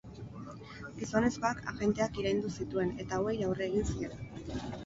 Gizonezkoak agenteak iraindu zituen eta hauei aurre egin zien.